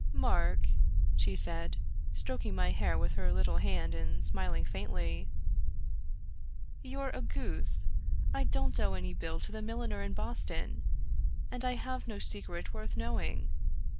Mark," she said, stroking my hair with her little hand and smiling faintly, " you're a goose, I don't owe any bill to the milliner in Boston, and I have no secret worth know ing.